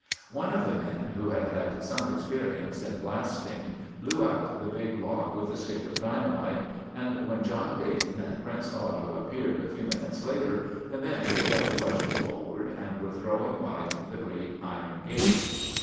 One of the men. who had had some experience in blasting, blew out the big lock with a stick of dyna mite, and when John Dayton and Prince Otto ap peared a few minutes later the men were just rush ing forward and were throwing wide the great iron gates.